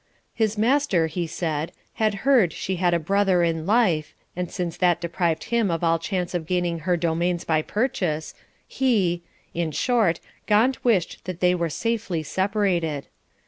His master, he said, had heard she had a brother in life, and since that deprived him of all chance of gaining her domains by purchase, he in short, Gaunt wished they were safely separated.